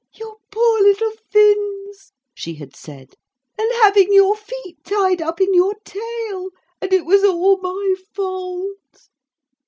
'Your poor little fins,' she had said, 'and having your feet tied up in your tail. And it was all my fault.'